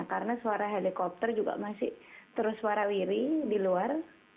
karena suara helikopter juga masih terus suara wiri di luar